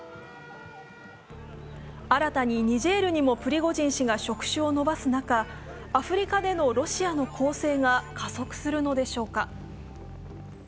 新たにニジェールにもプリゴジン氏が触手を伸ばす中、アフリカでのロシアの攻勢が加速するのでしょうか。